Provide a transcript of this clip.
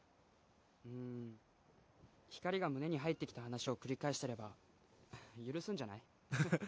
うん光が胸に入ってきた話を繰り返してれば許すんじゃないハハッ